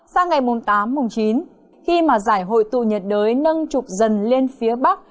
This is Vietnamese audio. sang ngày tám chín khi giải hội tụ nhiệt đới nâng trục dần lên phía bắc